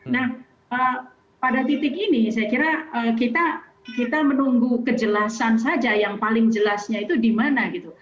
nah pada titik ini saya kira kita menunggu kejelasan saja yang paling jelasnya itu di mana gitu